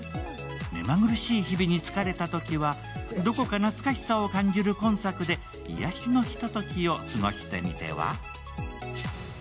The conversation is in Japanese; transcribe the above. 目まぐるしい日々に疲れたときは、どこか懐かしさを感じる今作で癒やしのひと時を過ごしてみては？